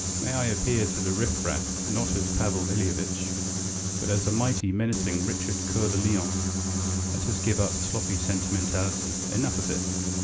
"May I appear to the riff raff not as Pavel Ilyitch, but as a mighty, menacing Richard Coeur de Lion. Let us give up sloppy sentimentality; enough of it!